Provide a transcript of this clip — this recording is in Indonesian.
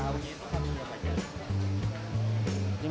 baru tahu itu kan berapa jam